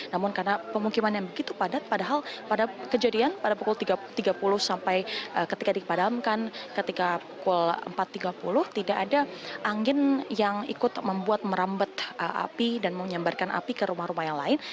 namun karena pemukiman yang begitu padat padahal pada kejadian pada pukul tiga puluh sampai ketika dipadamkan ketika pukul empat tiga puluh tidak ada angin yang ikut membuat merambet api dan menyambarkan api ke rumah rumah yang lain